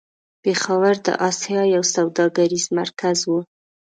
پېښور د آسيا يو سوداګريز مرکز و.